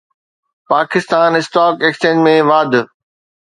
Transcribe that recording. Pakistan stock exchange ۾ واڌ